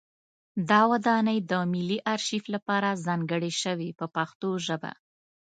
دا ودانۍ د ملي ارشیف لپاره ځانګړې شوه په پښتو ژبه.